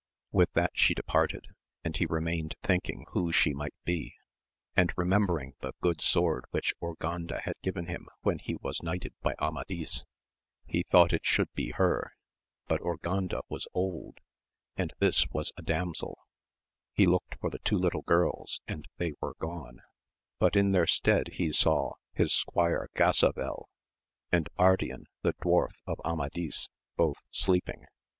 With that she departed, and he remained thinking who she might be; and remembering the good sword which Urganda had given him when he was knighted by Amadis, he thought it should be her, but Urganda was old, and this was a damsel He looked for the two little girls and they were gone, bat in their stead he saw his squire Gasavel, and Ardian the Dwarf of Amadis, both sleeping.